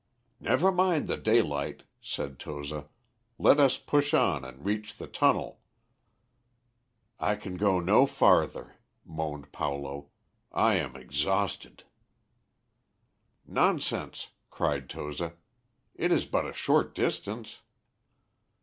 "Never mind the daylight," said Toza; "let us push on and reach the tunnel." "I can go no farther," moaned Paulo; "I am exhausted." "Nonsense," cried Toza; "it is but a short distance."